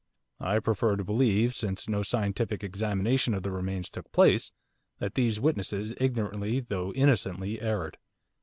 I prefer to believe, since no scientific examination of the remains took place, that these witnesses ignorantly, though innocently, erred.